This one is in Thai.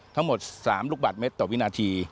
ทั้งหมด๓ลูกบาทเมตรต่อวินาที